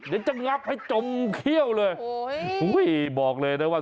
เดี๋ยวจะงักให้จมเขี้ยวเลยอุ้ยบอกเลยนะว่า